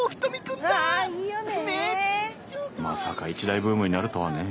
まさか一大ブームになるとはねえ。